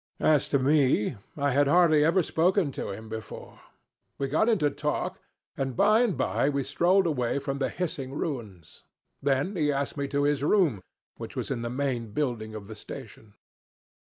As to me, I had hardly ever spoken to him before. We got into talk, and by and by we strolled away from the hissing ruins. Then he asked me to his room, which was in the main building of the station.